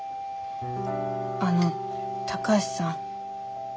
あの高橋さん。